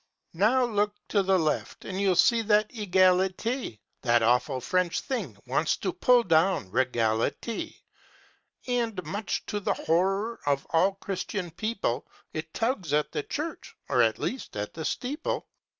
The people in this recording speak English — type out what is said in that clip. Now, look to the left, and you'll see that EgalitÃĐ, That awful French thing, wants to pull down Regality; And, much to the horror of all Christian people, It tugs at the Church, âor, at least, at the steeple.